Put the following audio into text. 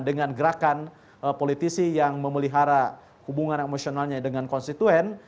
dengan gerakan politisi yang memelihara hubungan emosionalnya dengan konstituen